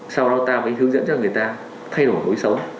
sau đó ta phải hướng dẫn cho người ta thay đổi đối xấu